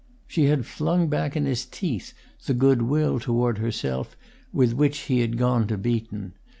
She had flung back in his teeth the good will toward herself with which he had gone to Beaton.